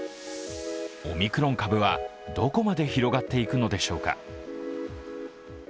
オミクロン株はどこまで広がっていくのでしょうか。